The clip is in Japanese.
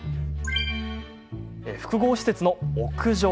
複合施設の屋上。